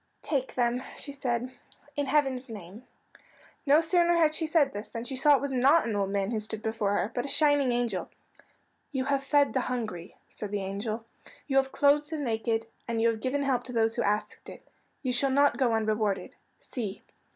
"Take them," she said, "in heaven's name." No sooner had she said this than she saw it was not an old man who stood before her, but a shining angel. "You have fed the hungry," said the angel, "you have clothed the naked, and you have given help to those who asked it. You shall not go unrewarded. See!"